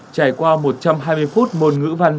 trải qua một trăm hai mươi phút môn ngữ văn